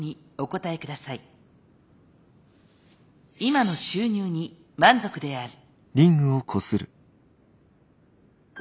今の収入に満足である。